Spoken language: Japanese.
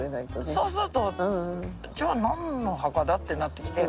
そうするとじゃあなんの墓だ？ってなってきて。